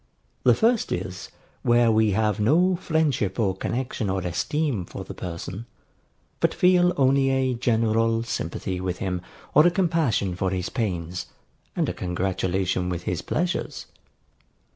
The first is, where we have no friendship or connexion or esteem for the person, but feel only a general sympathy with him or a compassion for his pains, and a congratulation with his pleasures.